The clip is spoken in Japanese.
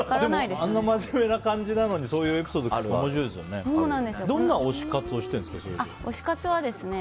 でもあんな真面目な感じなのにそういうエピソード聞くと面白いですよね。